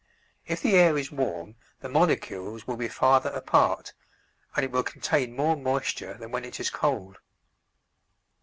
If the air is warm the molecules will be farther apart and it will contain more moisture than when it is cold.